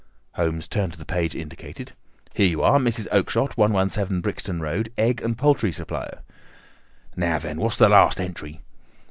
Holmes turned to the page indicated. "Here you are, 'Mrs. Oakshott, 117, Brixton Road, egg and poultry supplier.'" "Now, then, what's the last entry?"